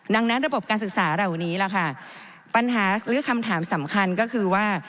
ดังนั้นระบบการศึกษาเหล่านี้ล่ะค่ะปัญหาหรือคำถามสำคัญก็คือว่า